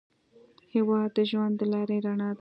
هېواد د ژوند د لارې رڼا ده.